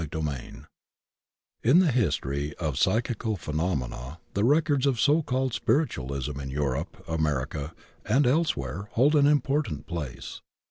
CHAPTER XVn IN the history of psychical phenomena the records of so called "spiritualism" in Europe, America, and elsewhere hold an important place.